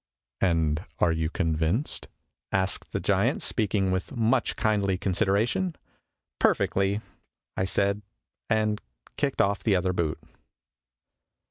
" And are you convinced ?" asked the giant, speaking with much kindly consideration. " Perfectly, I said, and kicked off the other boot.